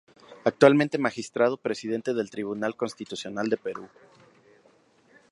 Actualmente Magistrado Presidente del Tribunal Constitucional de Perú.